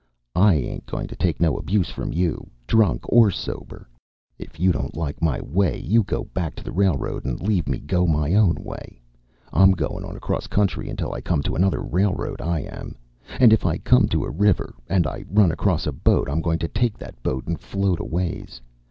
"I ain't goin' to take no abuse from you, drunk or sober. If you don't like my way, you go back to the railroad and leave me go my own way. I'm goin' on across country until I come to another railroad, I am. And if I come to a river, and I run across a boat, I'm goin' to take that boat and float a ways.